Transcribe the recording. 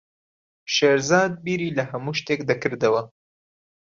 شێرزاد بیری لە هەموو شتێک دەکردەوە.